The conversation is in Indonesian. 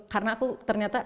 karena aku ternyata